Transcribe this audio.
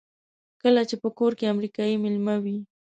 کله چې په کور کې امریکایی مېلمه وي.